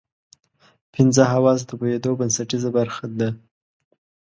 پنځه حواس د پوهېدو بنسټیزه برخه ده.